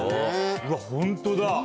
うわホントだ。